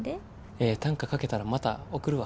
ええ短歌書けたらまた送るわ。